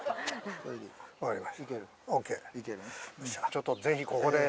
ちょっとぜひここで。